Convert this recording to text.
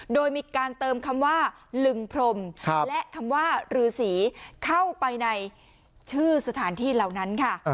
โดยมีการเติมคำว่าลึงพรมและคำว่ารือสีเข้าไปในชื่อสถานที่เหล่านั้นค่ะ